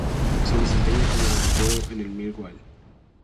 Se desempeña como delantero en el Millwall.